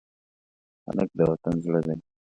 هلک د وطن زړه دی.